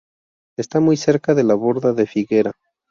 Está muy cerca de la Borda de Figuera.